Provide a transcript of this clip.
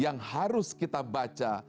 yang harus kita baca